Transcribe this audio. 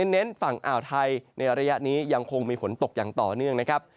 เน้นฝั่งอ่าวไทยในระยะนี้ยังคงมีฝนตกอย่างต่อเนื่องนะครับ